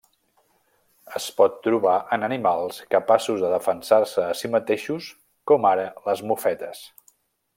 Es pot trobar en animals capaços de defensar-se a si mateixos com ara les mofetes.